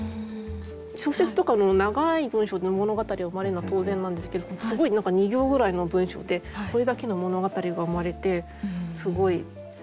小説とかの長い文章で物語がうまれるのは当然なんですけどすごい何か２行ぐらいの文章でこれだけの物語がうまれてすごい。